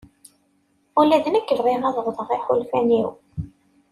Ula d nekk bɣiɣ ad awḍeɣ iḥulfan-iw.